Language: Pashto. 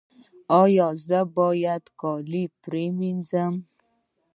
ایا زه باید کالي پریمنځم؟